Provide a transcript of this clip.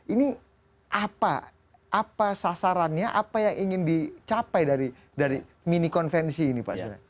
ini apa apa sasarannya apa yang ingin dicapai dari mini konvensi ini pak sebenarnya